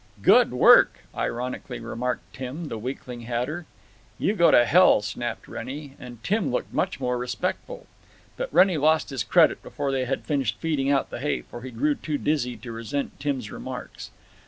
"Good work," ironically remarked Tim, the weakling hatter. "You go to hell," snapped Wrennie, and Tim looked much more respectful. But Wrennie lost this credit before they had finished feeding out the hay, for he grew too dizzy to resent Tim's remarks.